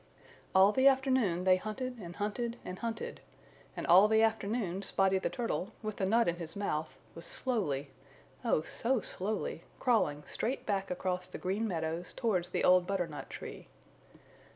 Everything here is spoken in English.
All the afternoon they hunted and hunted and hunted, and all the afternoon Spotty the Turtle, with the nut in his mouth, was slowly, oh, so slowly, crawling straight back across the Green Meadows towards the old butternut tree.